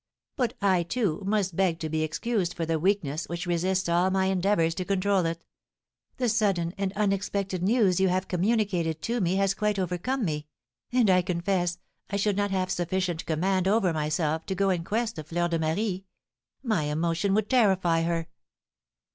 But I, too, must beg to be excused for the weakness which resists all my endeavours to control it; the sudden and unexpected news you have communicated to me has quite overcome me, and I confess I should not have sufficient command over myself to go in quest of Fleur de Marie, my emotion would terrify her."